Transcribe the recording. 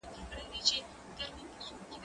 زه انځورونه رسم کړي دي!؟